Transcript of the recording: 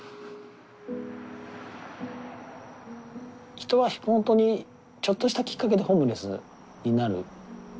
人はほんとにちょっとしたきっかけでホームレスになる。